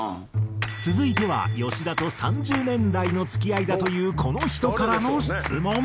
続いては吉田と３０年来の付き合いだというこの人からの質問。